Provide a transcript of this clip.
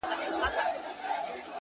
درد چي سړی سو له پرهار سره خبرې کوي-